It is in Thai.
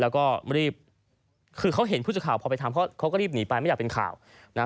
ก็มารีบคือเค้าเห็นผู้สึกข่าวพอไปทำเค้าก็รีบหนีไปไม่อยากเป็นข่าวนะ